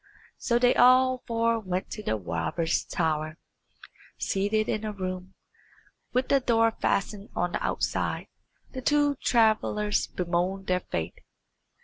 So they all four went to the robbers' tower. Seated in a room, with the door fastened on the outside, the two travellers bemoaned their fate.